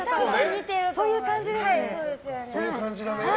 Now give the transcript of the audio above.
そういう感じですね。